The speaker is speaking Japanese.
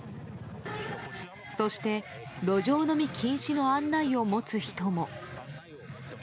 そして、路上飲み禁止の案内を持つ人も。